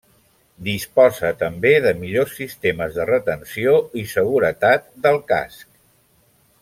Disposa també de millors sistemes de retenció i seguretat del casc.